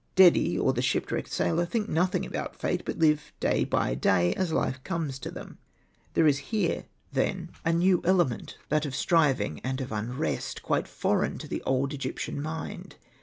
Dedi or the shipwrecked sailor think nothing about fate, but live day by day as life comes to them. There is here, then, Hosted by Google REMARKS 29 a new element, that of striving and of unrest," quite foreign to the old Egyptian mind.